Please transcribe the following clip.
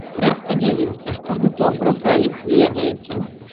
Я спадзяюся, што вы добра пра іх ведаеце.